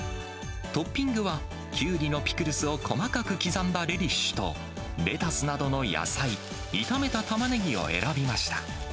トッピングはキュウリのピクルスを細かく刻んだレリッシュとレタスなどの野菜、炒めたタマネギを選びました。